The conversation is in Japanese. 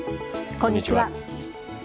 こんにちは。